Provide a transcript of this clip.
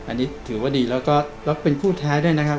อันนี้ถือว่าดีแล้วก็แล้วเป็นคู่แท้ด้วยนะครับ